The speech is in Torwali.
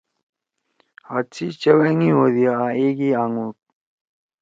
ہات سی چؤ أنگی ہودی آں ایک ئی اَنگُوٹ۔